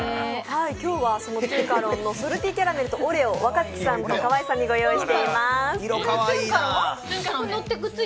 今日はそのトゥンカロンのソルティキャラメルとオレオ、若槻さんと河井さんにご用意しています。